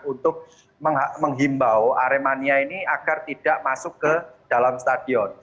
untuk menghimbau aremania ini agar tidak masuk ke dalam stadion